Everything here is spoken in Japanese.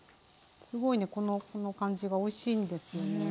すごいねこの感じがおいしいんですよね